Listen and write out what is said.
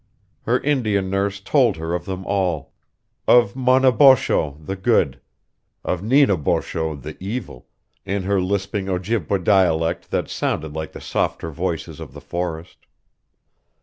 Her Indian nurse told her of them all of Maunabosho, the good; of Nenaubosho the evil in her lisping Ojibway dialect that sounded like the softer voices of the forest.